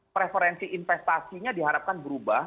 preferensi investasinya diharapkan berubah